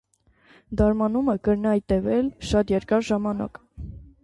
Դարմանումը կրնայ տեւել շատ երկար ժամանակ։